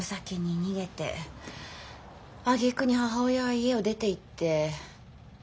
あげくに母親は家を出ていって自暴自棄？